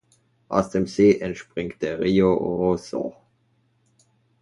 Aus dem See entspringt der Rio Roseau.